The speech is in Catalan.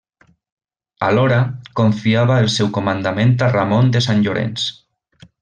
Alhora, confiava el seu comandament a Ramon de Sant Llorenç.